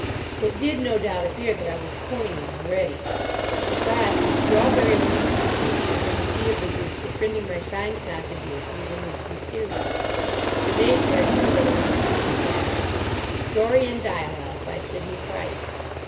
It did, no doubt, appear that I was coining the ready. Besides the Strawberry Leaf, Features, and The Key of the Street were printing my signed contributions in weekly series. The Mayfair, too, had announced on its placards, "A Story in Dialogue, by Sidney Price."